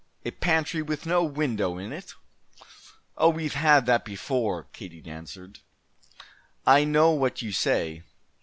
"A pantry with no window in it?" "Oh, we've had that before," Katie answered. "I know what you say.